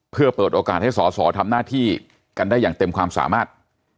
เพื่อเปิดโอกาสให้สอสอทำหน้าที่กันได้อย่างเต็มความสามารถ